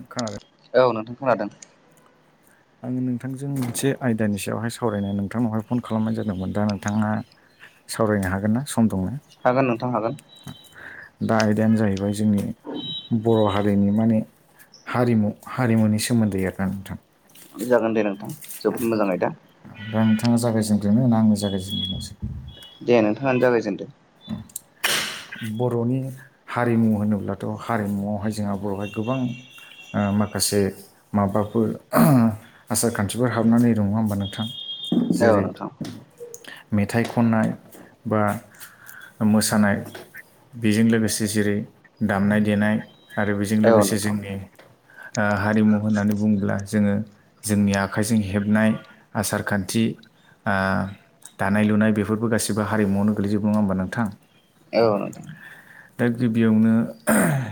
ओखार औ नोंथां खोनादों आङो नोंथांजों मोनसे आयदानि सायावहाय सावरायनो नोंथांनावहाय फन खालामनाय जादोंमोन दा नोंथाङा सावरायनो हागोनना सम दंना हागोन नोंथां हागोन दा आयदायानो जाहैबाय जोंनि बर' हारिनि माने हारिमु हारिमुनि सोमोन्दै आरोना नोंथां जागोनदे नोंथां जोबोद मोजां आयदा दा नोंथाङा जागायजेनग्रोनो ना आं जागायजेनग्रोनोसै दे नोंथाङानो जागायजेनदो [inaudible] बर'नि हारिमु होनोब्लाथ हारिमुआवहाय जोंहा बर'वावहाय गोबां ओ माखासे माबाफोर आसार खान्थिफोर हाबनानै दं होमबा नोंथां औ जेरै नोंथां मेथाइ खननाय बा मोसानाय बेजों लोगोसे जेरै दामनाय देनाय आरो बेजों औ लोगोसे नोंथां जोंनि ओ हारिमु होननानै बुङोब्ला जोङो जोंनि आखाइजों हेबनाय आसार खान्थि आ दानाय लुनाय बेफोरबो गाैबो हारिमुआवनो गोग्लैजोबो नङा होमबा नोंथां औ नोंथां दा गिबियावनो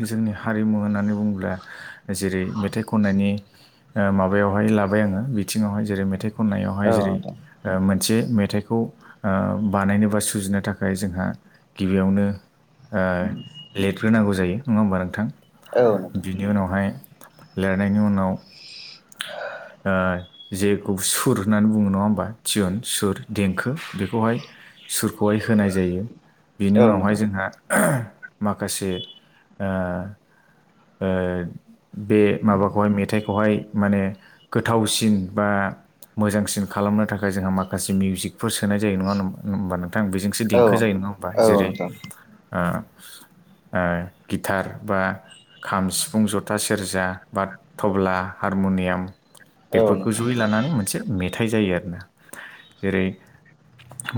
जोंनि हारिमु होननानै बुङोब्ला जेरै मेथाइ खननायनि ओ माबायावहाय लाबाय आङो बिथिङावहाय जेरै मेथाइ खननायावहाय औ जेरै नोंथां ओ मोनसे मेथाइखौ ओ बानायनो बा सुजुनो थाखाय जोंहा गिबियावनो ओ लिरगिरि नांगौ जायो नङा होमबा नोंथां औ नोंथां बिनि उनावहाय लिरनायनि उनाव ओ जेखौ सुर होननानै बुङो नङा होमबा थियुन सुर देंखो बेखौहाय सुरखौहाय होनाय जायो बिनि औ उनावहाय नोंथां औ नोंथां जोंहा माखासे ओ ओ बे माबाखौहाय मेथाइखौहाय माने गोथावसिन बा मोजांसिन खालामनो थाखाय जोंहा माखासे मिउजिकफोर सोनाय जायो नङा होमबा नोंथां बेजोंसो औ देंखो जायो नङा होनबा जेरै नोंथां ओ ओ गिटार बा खाम सिफुं जथा सेरजा बा थब्ला हारमुनियाम औ बेफोरखौ नोंथां जयै लानानै मोनसे मेथाइ जायो आरोना जेरै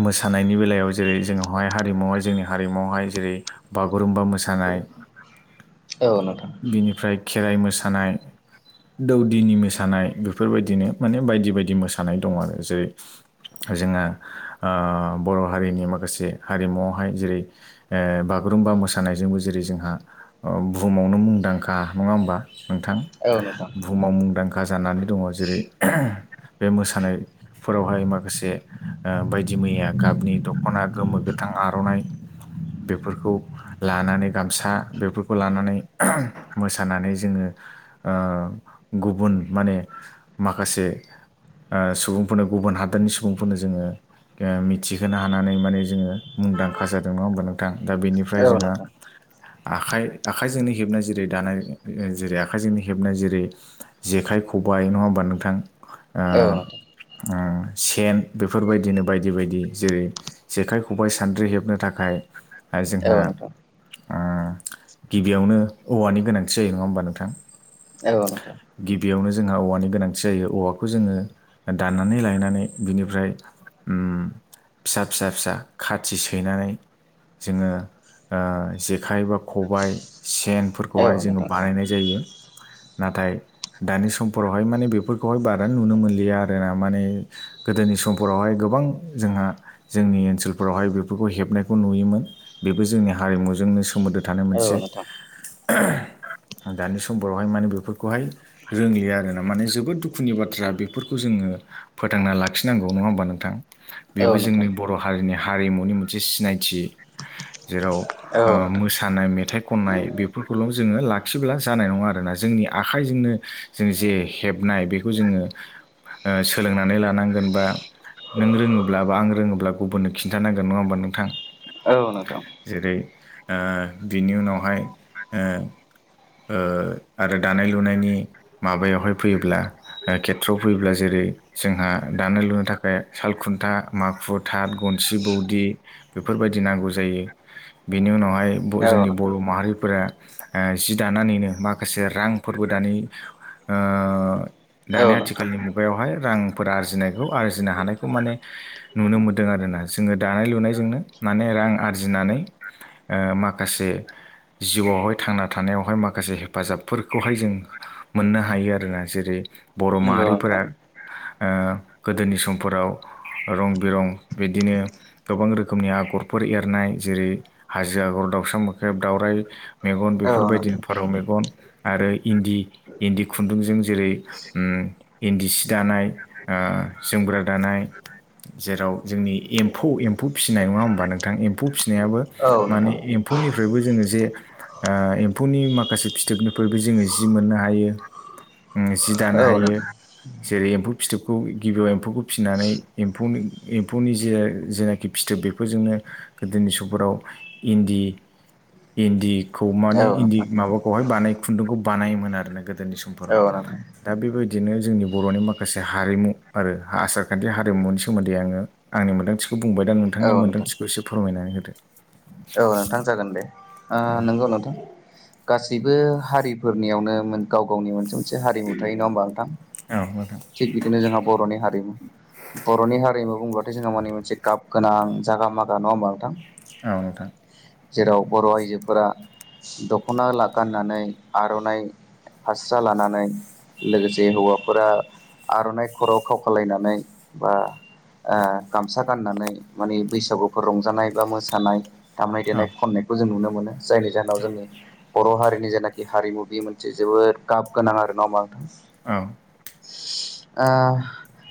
मोसानायनि बेलायाव जेरै जोंनावहाय हारिमुवावहाय जोंनि हारिमुवावहाय जेरै बागुरुम्बा मोसानाय औ नोंथां औ नोंथां बिनिफ्राय खेराइ मोसानाय दौदिनि मोसानाय बेफोरबायदिनो माने बायदि बायदि मोसानाय दं आरो जेरै जोंङो ओ बर' हारिनि माखासे हारिमुआवहाय जेरै ओ बागुरुम्बा मोसानायजोंबो जेरै जोंहा औ बुहुमावनो मुंदांखा नङा होमबा नोंथां औ नोंथां बुहुमाव मुंदांखा जानानै दङ जेरै बे मोसानायफोरावहाय माखासे ओ बायदि मैया गाबनि दख'ना गोमो गोथां आर'नाइ बेफोरखौ लानानै गामसा बेफोरखौ लानानै मोसानानै जोङो ओ गुबुन माने माखासे ओ सुबुंफोरनो गुबुन हादोरनि सुबुंफोरनो जोङो मिथिहोनो हानानै माने जोङो मुंदांखा जादों नङा होमबा नोंथां दा बेनिफ्राय औ नोंथां औ नोंथां औ नोंथां औ जोंहा नोंथां आखाइ आखाइजोंनो हेबनाय जेरै दानाय जेरै आखाइजोंनो हेबनाय जेरै जेखाइ खबाय नङा होमबा नोंथां ओ औ नोंथां सेन बेफोरबायदिनो बायदि बायदि जेरै जेखाय खबाइ सानद्रि हेबनो थाखाय जोंहा औ ओ गिबियावनो औवानि गोनांथि जायो नङा होमबा नोंथां औ नोंथां गिबियावनो जोंहा औवानि गोनांथि जायो औवाखौ जोङो दाननानै लायनानै बिनिफ्राय उम फिसा फिसा फिसा खाथि सैनानै जोङो ओ जेखाइ बा खबाइ सेनफोरखौहाय जोङो बानायनाय जायो नाथाय दानि समफोरावहाय माने बेफोरखौहाय बारा नुनो मोनलिया आरोना माने गोदोनि समफोरावहाय गोबां जोंहा जोंनि ओनसोल फोरावहाय बेफोरखौ हेबनायखौ नुयोमोन बेबो जोंनि हारिमुजोंनो सोमोन्दो थानाय मोनसे दानि समफोरावहाय माने बेफोरखौहाय रोंलिया आरोना माने जोबोद दुखुनि बाथ्रा बेफोरखौ जोङो फोथांना लाखिनांगौ नङा होमबा नोंथां बेबो जोंनि बर' हारिनि हारिमुनि मोनसे सिनायथि जेराव ओ मोसानाय मेथाइ खननाय बेफोरखौल' जोङो लाखिब्ला जानाय नङा आरोना जोंनि आखाइजोंनो जों जे हेबनाय बेखौ जोङो ओ सोलोंनानै लानांगोन बा नों रोङोब्ला बा आं रोङोब्ला गुबुननो खिन्थानांगोन नङा होमबा नोंथां जेरै ओ बिनि उनावहाय ओ ओ आरो दानाय लुनायनि माबायावहाय फैयोब्ला खेथ्र फैयोब्ला जेरै जोंहा दानाय लुनो थाखाय साल खुन्था माखु थार बनसि बौदि बेफोरबायदि नांगौ जायो बेनि उनावहाय जोंनि नोंथां बर' माहारिफोरा ओ जि दानानैनो माखासे रांफोरबो दानि ओ औ दानि नोंथां आथिखालनि मुगायावहाय रांफोर आरजिनायखौ आरजिनो हानायखौ माने नुनो मोन दों आरोना जोङो दानाय लुनायजोंनो माने रां आरजिनानै ओ माखासे जिउआवहाय थांना थानायावहाय माखासे हेफाजाबफोरखौहाय जों मोननो हायो आरोना जेरै बर' नंगौ नोंथां माहारिफोरा ओ गोदोनि समफोराव रं बिरं बिदिनो गोबां रोखोमनि आगरफोर एरनाय जेरै हाजो आगर दाउसा मोख्रेब दावराय मेगन औ बेफोरबायदिनो नोंथां फारौ मेगन आरो इन्दि इन्दि खुन्दुंजों जेरै उम इन्दि सि दानाय ओ जोमग्रा दानाय जेराव जोंनि एम्फौ एम्फौ फिसिनाय नङा होमबा नोंथां एम्फौ फिसिनायाबो औ माने नोंथां एम्फौनिफ्रायबो जोङो जे ओ एम्फौनि माखासे फिथोबनिफोरबो जोङो जि मोननो हायो। जि दानो औ नोंथां औ हायो। नोंथां जेरै एम्फौ फिथोबखौ गिबियाव एम्फौखौ फिसिनानै एम्फौ एम्फौनि जे जेनाखि फिथोब बेफोरजोंनो गोदोनि समफोराव इन्दि इन्दिखौ माने इन्दि माबाखौहाय बानाय खुन्दुंखौ बानायोमोन आरोना गोदोनि समफोराव औ नोंथां दा बेबायदिनो जोंनि बर'नि माखासे हारिमु आरो आसारखान्थि हारिमुनि सोमोन्दै दै आङो आंनि मोन्दांथिखौ बुंबाय दा नोंथांनि औ नोंथां मोन्दांथिखौ एसे फोरमायनानै होदो। औ नोंथां जागोन दे ओ औ नंगौ नोंथां गासैबो हारिफोरनियावनो गाव गावनि मोनसे मोनसे हारिमु थायो नङा होनोमबा नोंथां औ नोंथां थिग बिदिनो जोंहा बर'नि हारिमु बर'नि हारिमु बुंब्लाथाय जोंहा माने मोनसे गाब गोनां जागा मागा नङा होमबा नोंथां औ नोंथां जेराव बर' आइजोफोरा दख'ना गाननानै आर'नाइ फास्रा लानानै लोगोसे हौवाफोरा आर'नाइ खर'आव खाव खालायनानै बा ओ गामसा गाननानै माने बैसागुफोर रंजानाय बा मोसानाय दामनाय औ देनाय खननायखौ जों नुनो मोनो जायनि जाहोनाव जोंनि बर' हारिनि जेनाखि हारिमु बेयो मोनसे जोबोद गाब गोनां आरो नङा होमबा नोंथां औ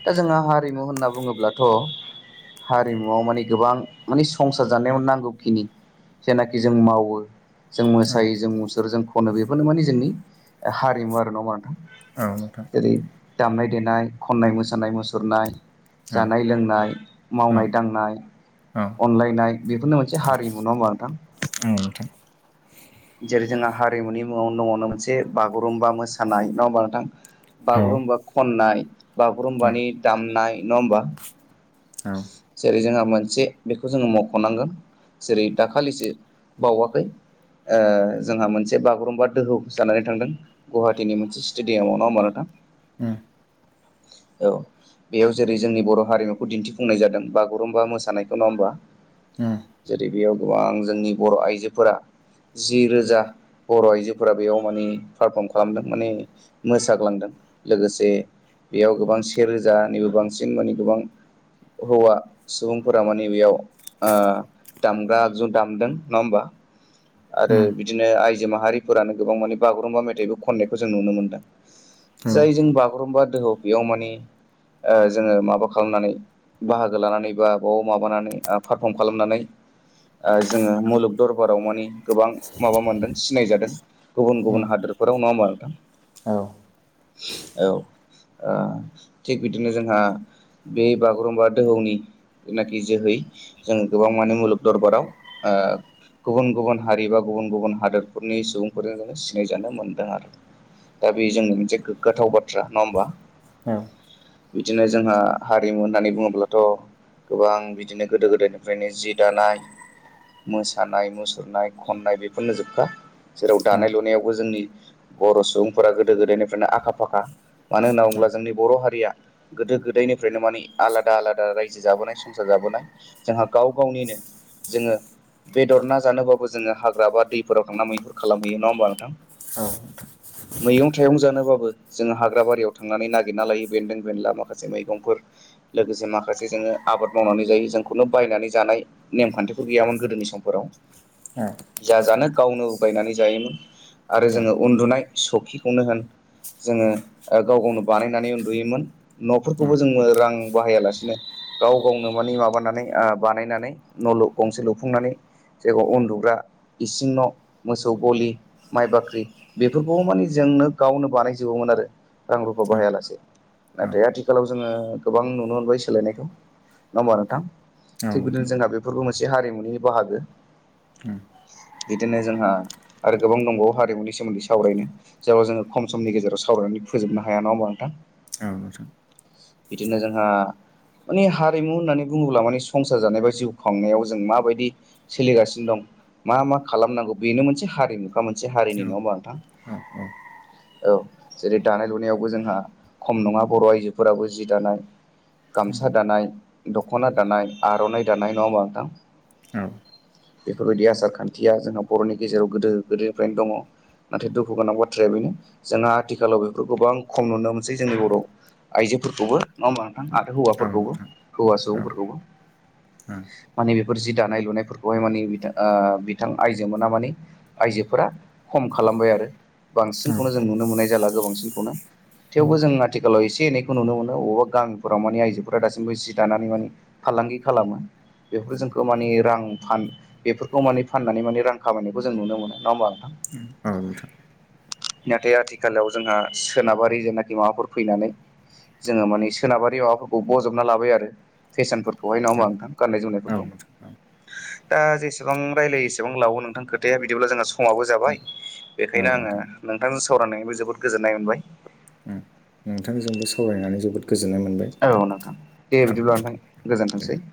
दा जोंहा हारिमु होनना बुङोब्लाथ' हारिमुवआव माने गोबां माने संसार जानायाव नांगौखिनि जेनाखि जों मावो जों औ मोसायो जों मुसुरो जों खनो बेफोरनो माने जोंनि हारिमु आरो नङा होमबा नोंथां औ नोंथां जेरै दामनाय देनाय खन्नाय मोसानाय मुसुरनाय औ जानाय लोंनाय मावनाय औ दांनाय औ अनलायनाय बेफोरनो मोनसे हारिमु नङा होमबा नोंथां औ नोंथां जेरै जोंहा हारिमुनि मुङाव दङनो मोनसे बागुरुम्बा मोसानाय नङा होमबा नोंथां औ बागुरुम्बा खननाय औ बागुरुम्बानि दामनाय नङा होमबा उम जेरै जोंहा मोनसे बेखौ जोङो मख'नांगोन जेरै दाखालिसो बावाखै ओ जोंहा मोनसे बागुरुम्बा दोहौ जानानै थांदों। गुवाहाटीनि मोनसे स्टेडियामाव नङा होमबा नोंथां ए औ बेयाव जेरै जोंनि बर' हारिमुखौ दिन्थिफुंनाय जादों बागुरुम्बा मोसानायखौ नङा होनोमबा। उम जेरै बेयाव गोबां जोंनि बर' आइजोफोरा जि रोजा बर' आइजोफोरा बेयाव माने पारफर्म खालामदों माने मोसाग्लांदों लोगोसे बेयाव गोबां सेेरोजानिबो बांसिन माने गोबां हौवा सुबुंफोरा माने बेयाव ओ दामग्रा आगजु दामदों नङा होमबा आरो उम बिदिनो आइजो माहारिफोरानो गोबां माने बागुरुम्बा मेथाइबो खननायखौ जों नुनो मोनदों औ जाय जों बागुरुम्बा दोहौ बेयाव माने जोङो माबा खालामनानै बाहागो लानानै बा बाव माबानानै पारफर्म खालामनानै ओ जोङो मुलुग दरबाराव माने गोबां माबा मोनदों सिनायजादों गुबुन उम गुबुन हादोरफोराव नङा होमबा नोंथां औ औ थिग बिदिनो जोंहा बे बागुरुम्बा दोहौनि जेनाखि जोहै जों गोबां माने मुलुग दरबाराव गुबुन गुबुन गुबन हारि बा गुबुन गुबुन हादरफोरनि सुबुंफोरजों जोङो सिनायजानो मोन्दों आरो दा बे जोंनि मोनसे गोगगाथाव बाथ्रा नङा होमबा औ बिदिनो जोंहा हारिमु होननानै बुङोब्लाथ' गोबां बिदिनो गोदो गोदायनिफ्रायनो जि दानाय मोसानाय मुसुरनाय खननाय बेफोरनो जोबखा जेराव दानाय लुनायावबो जोंनि बर' सुबुंफोरा गोदो गोदायनिफ्रायनो आखा फाखा मानो होनना बुङोब्ला जोंनि बर' हारिया गोदो गोदायनिफ्रायनो माने आलादा आलादा रायजो जाबोनाय संसार जाबोनाय जोंहा गाव गावनिनो जोङो बेदर ना जानोबा खौ जोङो हाग्रा बा दैफोराव थांनानै मैहुर खालामहैयो नङा होमबा नोंथां [inaudible] मैगं थाइगं जानोबाबो जोङो हाग्रा बारियाव थांनानै नागिरना लायो बेन्दों बेनला माखासे मैगंफोर लोगोसे माखासे जोङो आबाद मावनानै जायो जोंखौनो बायनानै जानाय नेम खान्थिफोर गैयामोन गोदोनि समफोराव औ जा जानो गावनो बायनानै जायोमोन आरो जोङो उन्दुनाय सखिखौनो होन जोङो गाव गावनो बानायनानै उन्दुयोमोन न'फोरखौबो जोङो रां बाहायालासिनो गाव गावनो माने माबानानै बानायनानै न' गंसे लुफुंनानै जायखौ उन न्दुग्रा इसिं न' मोसौ गलि माइ बाख्रि बेफोरखौ माने जोंनो गावनो बानायजोबोमोन आरो रां रुफा बाहायालासे नाथाय औ आथिखालाव जोङो गोबां नुनो मोनबाय सोलायनायखौ नङा होमबा नोंथां औ थिग नोंथां बिदिनो जोंहा बेफोरबो मोनसे हारिमुनि बाहागो उम बिदिनो जोंहा आरो गोबां दंबावो हारिमुनि सोमोन्दै सावरायनो जेराव जोङो खम समनि गेजेराव सावरायनानै फोजोबनो हाया नङा होमबा नोंथां औ नोंथां बिदिनो जोंहा माने हारिमु होननानै बुङोब्ला माने संसार जानाय बा जिउ खांनायाव जों माबायदि सोलिगासिनो दं मा मा खालामनांगौ बेनो मोनसे हारिमुखा मोनसे हारिनि नङा होमबा नोंथां औ जेरै दानाय लुनायावबो जोंहा खम नङा बर' आइजोफोराबो जि दानाय गामसा दानाय दख'ना दानाय आर'नाय दानाय नङा होमबा नोंथां औ बेफोरबायदि आसार खान्थिया जोंहा बर'नि गेजेराव गोदो गोदोनिफ्रायनो दङ नाथाय दुखु गोनां बाथ्राया बेनो जोंहा आथिखालाव बेफोरखौ गोबां खम नुनो मोनसै जोंनि बर'आव आइजोफोरखौबो नङा होमबा आरो औ हौवाफोरखौबो नोंथां हौवा औ सुबुंफोरखौबो ओं माने बेफोर जि दानाय लुनायफोरखौ बेवहाय माने बिथां बिथां आइजो मोना मानि आइजोफोरा खम खालामबाय आरो औ बांसिनखौनो जों नुनो मोननाय जाला गोबांसिनखौनो औ थेवबो जों आथिखालाव एसे एनैखौ नुनो मोनो बबावबा गामिफोराव माने आइजोफोरा दासिमबो जि दानानै माने फालांगि खालामो बेफोर जोंखौ माने रां फान बेफोरखौ माने फाननानै माने रां खामायनायखौ जों नुनो मोनो नङा होमबा नोंथां औ नोंथां नाथाय आथिखालाव जोंहा सोनाबारि जेनाखि माबाफोर फैनानै जोङो माने सोनाबारि माबाफोरखौ बजबना लाबाय आरो फेशनफोरखौहाय नङा औ होमबा नोंथां गाननाय औ जोमनायफोरखौ नोंथां औ दा जेसेबां रायलायो एसेबां लाबावो नोंथां खोथाया बिदिब्ला जोंना समाबो ओं जाबाय औ बेखायनो आङो नोंथां नोंथांजों सावरायनानैबो जोबोद गोजोननाय मोनबाय ओं नोंथांजोंबो सावरायनानै जोबोद गोजोननाय मोनबाय औ नोंथां दे औ बिदिब्ला नोंथां दे गोजोनथोंसै